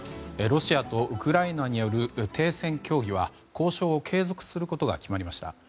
ロシアとウクライナによる停戦協議は交渉を継続することが決まりました。